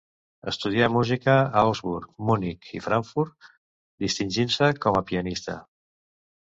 Estudià música a Augsburg, Munic i Frankfurt, distingint-se com a pianista.